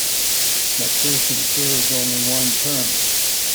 McPherson served only one term.